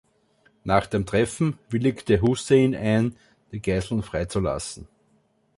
Nach dem Treffen willigte Hussein ein, die Geiseln freizulassen.